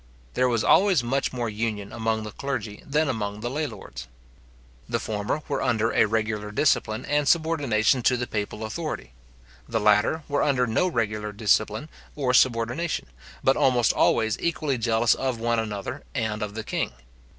There was always much more union among the clergy than among the lay lords. The former were under a regular discipline and subordination to the papal authority. The latter were under no regular discipline or subordination, but almost always equally jealous of one another, and of the king.